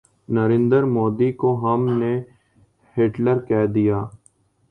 نریندر مودی کو ہم نے ہٹلر کہہ دیا۔